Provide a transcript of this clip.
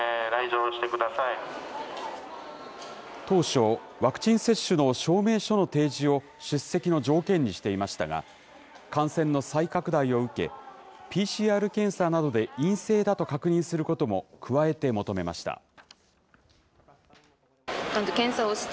当初、ワクチン接種の証明書の提示を出席の条件にしていましたが、感染の再拡大を受け、ＰＣＲ検査などで陰性だと確認することも加えて求めました。